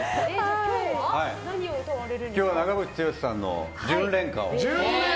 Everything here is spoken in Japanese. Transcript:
今日は長渕剛さんの「純恋歌」を。